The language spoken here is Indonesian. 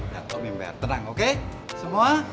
biar om yang bayar tenang oke semua